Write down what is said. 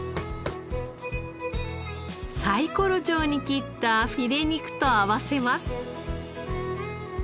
サイコロ状に切ったフィレ肉と合わせます。